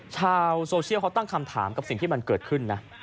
ชาวโซเชียลเขาตั้งคำถามกับสิ่งที่มันเกิดขึ้นนะ